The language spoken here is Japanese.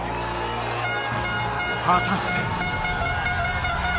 果たして。